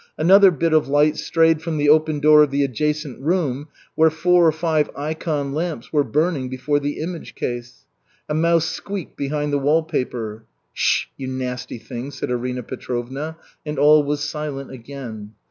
Another bit of light strayed from the open door of the adjacent room, where four or five ikon lamps were burning before the image case. A mouse squeaked behind the wall paper. "Sh sh sh, you nasty thing," said Arina Petrovna, and all was silent again.